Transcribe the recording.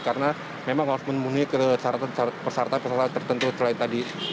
karena memang harus menemui persyaratan persyaratan tertentu selain tadi